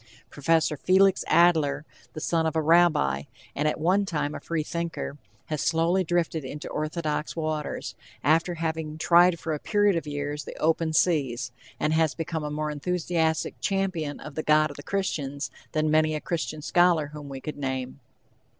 Professor Adler, the son of a rabbi, and at one time a freethinker, has slowly drifted into orthodox waters, after having tried for a period of years the open seas, and has become a more enthusiastic champion of the god of the Christians than many a Christian scholar whom we could name.